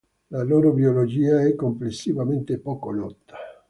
La loro biologia è complessivamente poco nota.